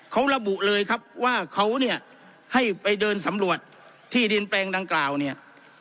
เขาระบุเลยครับว่าเขาเนี่ยให้ไปเดินสำรวจที่ดินแปลงดังกล่าวเนี่ย